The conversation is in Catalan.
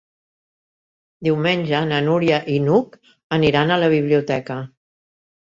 Diumenge na Núria i n'Hug aniran a la biblioteca.